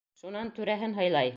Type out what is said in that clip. Шунан түрәһен һыйлай.